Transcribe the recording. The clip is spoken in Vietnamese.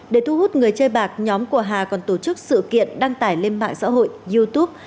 để thu hút người chơi bạc nhóm của hà còn tổ chức sự kiện đăng tải lên mạng xã hội youtube